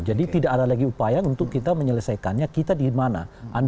jadi tidak ada lagi upaya untuk kita menyelesaikannya kita di mana